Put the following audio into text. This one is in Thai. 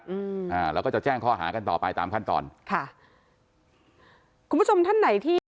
อืมอ่าแล้วก็จะแจ้งข้อหากันต่อไปตามขั้นตอนค่ะคุณผู้ชมท่านไหนที่